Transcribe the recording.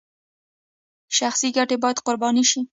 شخصي ګټې باید قرباني شي